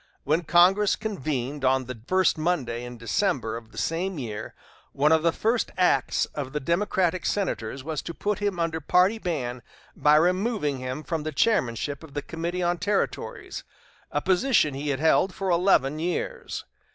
When Congress convened on the first Monday in December of the same year, one of the first acts of the Democratic senators was to put him under party ban by removing him from the chairmanship of the Committee on Territories, a position he had held for eleven years.